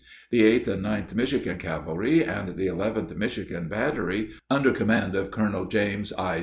The 8th and 9th Michigan Cavalry and the 11th Michigan Battery, under command of Colonel James I.